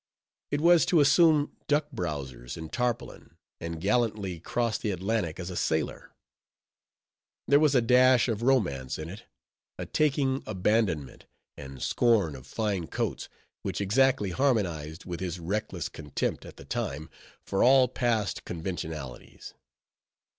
It was to assume duck browsers and tarpaulin, and gallantly cross the Atlantic as a sailor. There was a dash of romance in it; a taking abandonment; and scorn of fine coats, which exactly harmonized with his reckless contempt, at the time, for all past conventionalities.